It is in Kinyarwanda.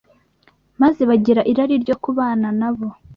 maze bagira irari ryo kubana na bo.